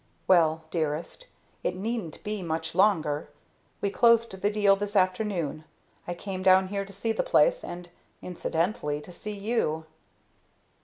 Well, dearest, it needn't be much longer. We closed the deal this afternoon. I came down here to see the place, and incidentally to see you!"